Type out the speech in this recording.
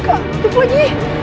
kak duk lagi